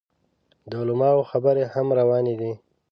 د علماو خبرې هم روانې دي.